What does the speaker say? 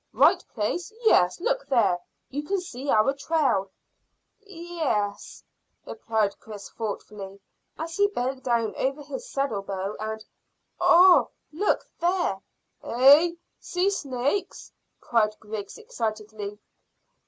"Right place? Yes, look there; you can see our trail." "Yes," replied Chris thoughtfully, as he bent down over his saddle bow, "and Ugh! Look there!" "Eh? See snakes?" cried Griggs excitedly.